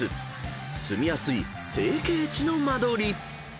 ［住みやすい成形地の間取り］